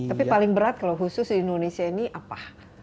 tapi paling berat kalau khusus di indonesia ini apa